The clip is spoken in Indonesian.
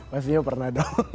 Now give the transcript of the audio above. pastinya pernah dong